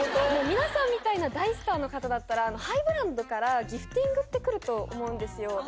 皆さんみたいな大スターの方だったらハイブランドからギフティングって来ると思うんですよ。